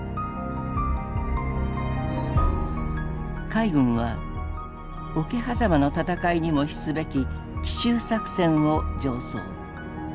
海軍は「桶狭間の戦いにも比すべき」「奇襲作戦」を上奏。